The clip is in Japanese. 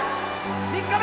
３日目